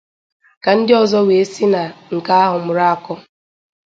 ka ndị ọzọ wee si na nke ahụ mụrụ akọ.